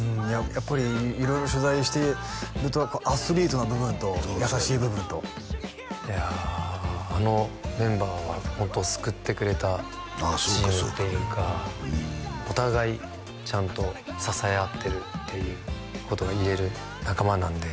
やっぱり色々取材してるとアスリートな部分と優しい部分といやあのメンバーはホント救ってくれたチームっていうかお互いちゃんと支え合ってるっていうことが言える仲間なんで